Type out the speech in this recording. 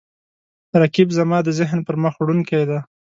رقیب زما د ذهن پرمخ وړونکی دی